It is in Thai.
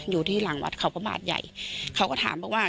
อยู่ที่หลังวัดเขาพระบาทใหญ่เขาก็ถามบอกว่า